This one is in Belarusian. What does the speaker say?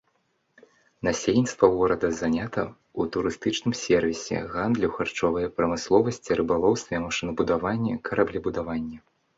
Насельніцтва горада занята ў турыстычным сэрвісе, гандлю, харчовай прамысловасці, рыбалоўстве, машынабудаванні, караблебудаванні.